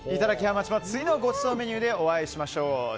また次のごちそうメニューでお会いしましょう。